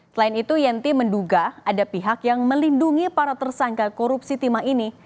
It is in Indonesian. selain itu yenti menduga ada pihak yang melindungi para tersangka korupsi timah ini